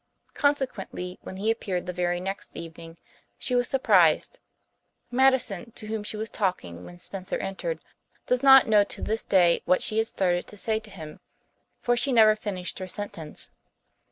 Consequently, when he appeared the very next evening she was surprised. Madison, to whom she was talking when Spencer entered, does not know to this day what she had started to say to him, for she never finished her sentence.